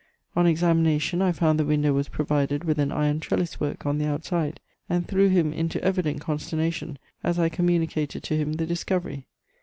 On examination I found the window was provided with an iron trellis work on the outside, and threw him into evident consternation as I communicated to him the discovery.